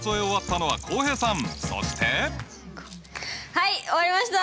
はい終わりました！